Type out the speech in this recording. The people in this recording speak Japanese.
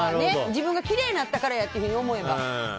自分がきれいになったからやって思えば。